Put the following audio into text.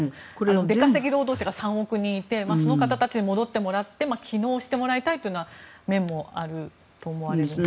出稼ぎ労働者が３億人いてその方たちに戻ってもらって帰農してもらいたいという面もあると思われますが。